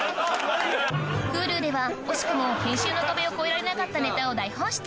Ｈｕｌｕでは惜しくも編集の壁を越えられなかったネタを大放出！